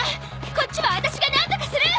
こっちは私が何とかする！